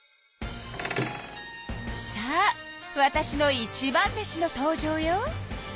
さあわたしの一番弟子の登場よ。